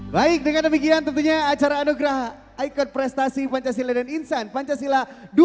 baik dengan demikian tentunya acara anugerah ikon prestasi pancasila dan insan pancasila dua ribu dua puluh